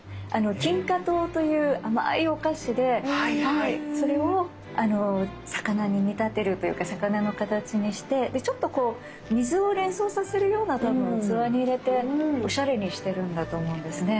金花糖という甘いお菓子でそれを魚に見立てるというか魚の形にしてでちょっとこう水を連想させるような多分器に入れておしゃれにしているんだと思うんですね。